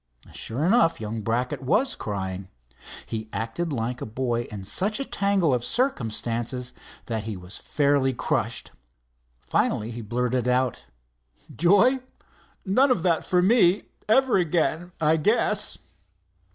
Sure enough, young Brackett was crying. He acted like a boy in such a tangle of circumstances that he was fairly crushed. Finally he blurted out: "Joy? None of that for me, ever again, I guess."